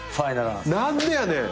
何でやねん！？